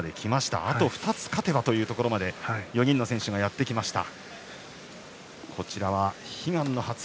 あと２つ勝てばというところまで４人の選手がやってきました。